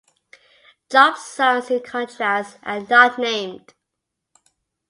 Job's sons, in contrast, are not named.